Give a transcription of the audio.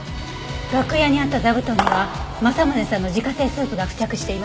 楽屋にあった座布団には政宗さんの自家製スープが付着しています。